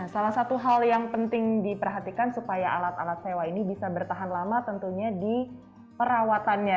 salah satu hal yang penting diperhatikan supaya alat alat sewa ini bisa bertahan lama tentunya di perawatannya